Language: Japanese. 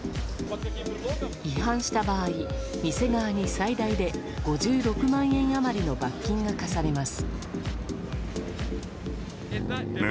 違反した場合店側に最大で５６万円余りの罰金が科されます。